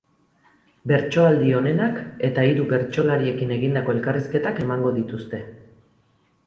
Bertsoaldi onenak eta hiru bertsolariekin egindako elkarrizketak emango dituzte.